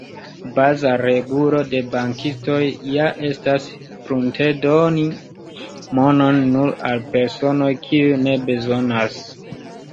Baza regulo de bankistoj ja estas pruntedoni monon nur al personoj kiuj ne bezonas.